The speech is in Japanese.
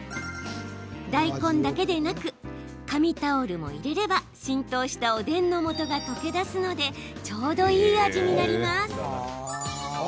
大根だけでなく紙タオルも入れれば浸透したおでんのもとが溶け出すのでちょうどいい味になります。